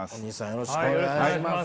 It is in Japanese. よろしくお願いします。